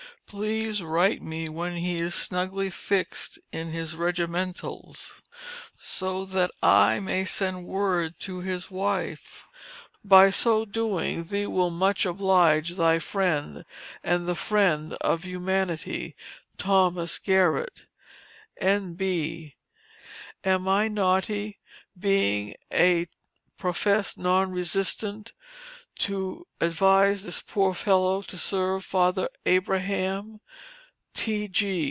Please write me when he is snugly fixed in his regimentals, so that I may send word to his wife. By so doing, thee will much oblige thy friend, and the friend of humanity, THOMAS GARRETT. N.B. Am I naughty, being a professed non resistant, to advise this poor fellow to serve Father Abraham?